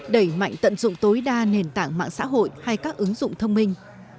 là nền tảng mạng xã hội hay các ứng dụng thông minh